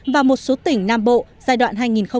và một số tỉnh nam bộ giai đoạn hai nghìn một mươi sáu